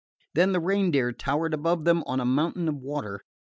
Then the Reindeer towered above them on a mountain of water.